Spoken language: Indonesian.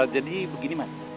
jadi begini mas